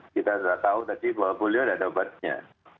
kita sudah tahu tadi bahwa beliau ada obatnya